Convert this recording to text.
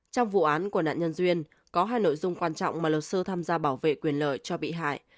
trong vụ án của nạn nhân duyên có hai nội dung quan trọng mà luật sư tham gia bảo vệ quyền lợi cho bị hại